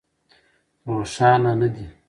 روښانه نه دي.